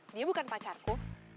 dia bukan pacarko